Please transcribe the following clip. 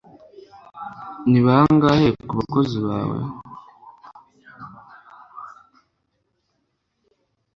ni bangahe ku bakozi bawe